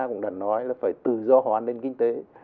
cũng đã nói là phải tự do hoàn lên kinh tế